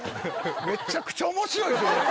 めちゃくちゃ面白いですよ。